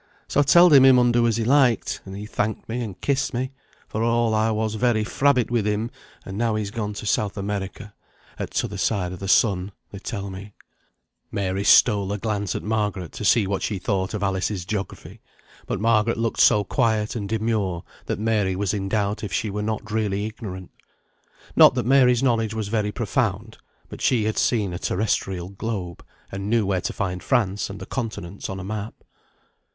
So I telled him he mun do as he liked; and he thanked me and kissed me, for all I was very frabbit with him; and now he's gone to South America, at t'other side of the sun, they tell me." [Footnote 4: "Frabbit," peevish.] Mary stole a glance at Margaret to see what she thought of Alice's geography; but Margaret looked so quiet and demure, that Mary was in doubt if she were not really ignorant. Not that Mary's knowledge was very profound, but she had seen a terrestrial globe, and knew where to find France and the continents on a map.